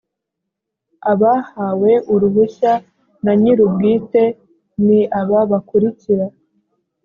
abahawe uruhushya na nyir’ubwite ni aba bakurikira